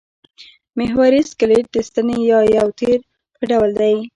محوري سکلېټ د ستنې یا یو تیر په ډول دی.